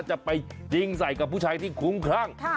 จะไปยิงใส่กับผู้ชายที่คุ้มครั่ง